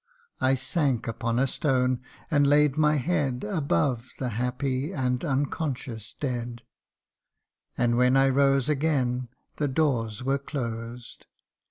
I sank upon a stone, and laid my head Above the happy and unconscious dead ; And when I rose again, the doors were closed